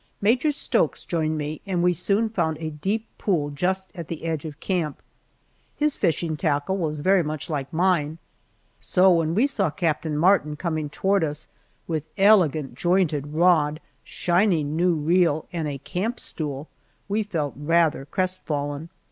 Major Stokes joined me and we soon found a deep pool just at the edge of camp. His fishing tackle was very much like mine, so when we saw Captain Martin coming toward us with elegant jointed rod, shining new reel, and a camp stool, we felt rather crestfallen.